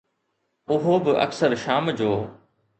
اهو به اڪثر شام جو.